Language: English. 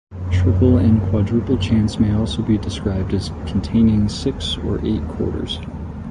Triple and quadruple chants may also be described as containing six or eight quarters.